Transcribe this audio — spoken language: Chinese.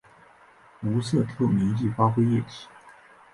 无色透明易挥发液体。